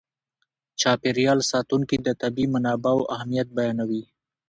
چاپېر یال ساتونکي د طبیعي منابعو اهمیت بیانوي.